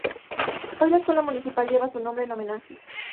Hoy la escuela municipal lleva su nombre en homenaje.